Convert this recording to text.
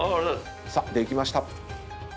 さあできました。